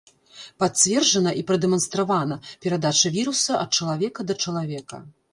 Пацверджана і прадэманстравана перадача віруса ад чалавека да чалавека.